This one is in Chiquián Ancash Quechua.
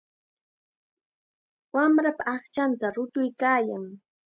Wamrapa aqchanta rutuykaayan.